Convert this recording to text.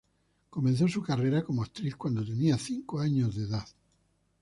Comenzó su carrera como actriz cuando tenía cinco años de edad.